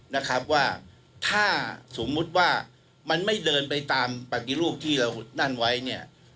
นะครับว่าถ้าสมมุติว่ามันไม่เดินไปตามปฏิรูปที่เรานั่นไว้เนี่ย